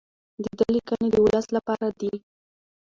د ده لیکنې د ولس لپاره دي.